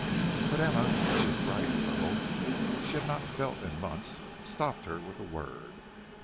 But Emma, who was bright with a hope she had not felt in months, stopped her with a word.